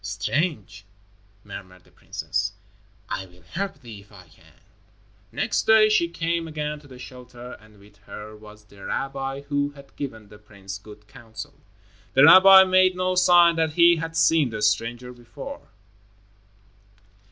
"Strange," murmured the princess. "I will help thee if I can." Next day she came again to the shelter, and with her was the rabbi who had given the prince good counsel. The rabbi made no sign that he had seen the stranger before.